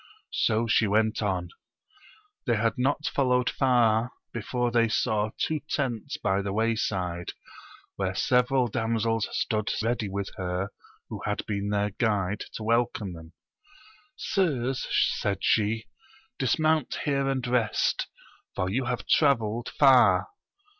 So she went on. They had not followed far before they saw two tents by the wayside, where several damsek stood ready with her who had been their guide to welcome them. Sirs, said she, dismount here and rest, for you have travelled far.